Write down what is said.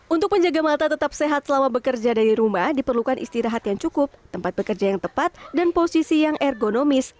untuk menjaga mata tetap sehat selama bekerja dari rumah diperlukan istirahat yang cukup tempat bekerja yang tepat dan posisi yang ergonomis